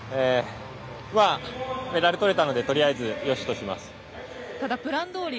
メダルが取れたのでとりあえず、よしとします。